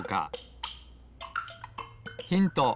ヒント